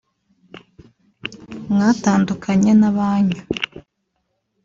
mwatandukanye n’abanyu